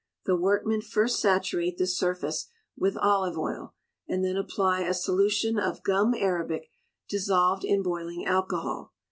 The workmen first saturate the surface with olive oil, and then apply a solution of gum arabic dissolved in boiling alcohol.